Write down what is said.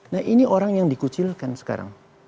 nah ini orang yang dikucilkan sekarang